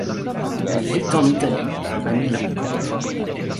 Elle vit en Italie, à Milan.